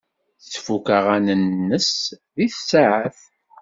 Tfuk aɣanen-nnes deg tsaɛet.